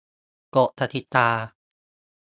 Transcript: กฎกติกา